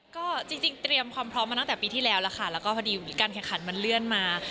ก็จริงเตรียมความพร้อมมาตั้งแต่ปีที่แล้วแล้วค่ะแล้วก็พอดีการแข่งขันมันเลื่อนมา